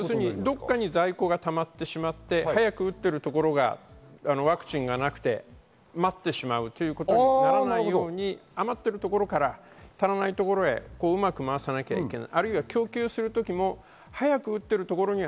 在庫がたまってしまった早く打っているところがワクチンがなくて、まってしまうということがないように余っているところから足らないところへうまく回さなきゃいけない。